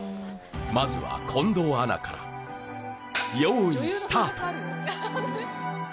まずは近藤アナから用意スタート